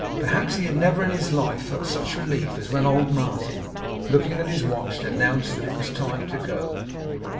Perhaps he had never in his life felt such relief as when old Martin, looking at his watch, announced that it was time to go.